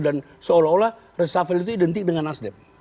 dan seolah olah reshuffle itu identik dengan nasdem